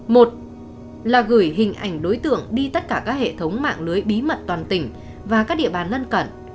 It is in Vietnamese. một là gửi hình ảnh đối tượng đi tất cả các hệ thống mạng lưới bí mật toàn tỉnh và các địa bàn lân cận